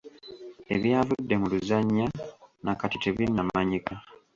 Ebyavudde mu luzannya na kati tebinnamanyika.